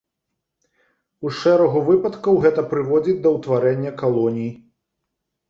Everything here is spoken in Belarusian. У шэрагу выпадкаў гэта прыводзіць да ўтварэння калоній.